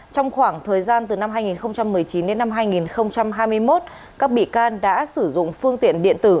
trong khoảng thời gian từ năm hai nghìn một mươi chín đến năm hai nghìn hai mươi một các bị can đã sử dụng phương tiện điện tử